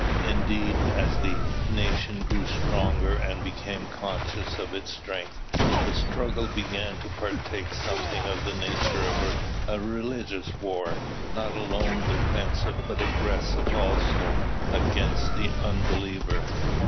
Indeed, as the nation grew stronger and became conscious of its strength, the struggle began to partake something of the nature of a religious war, not alone defensive but aggressive also, against the unbeliever.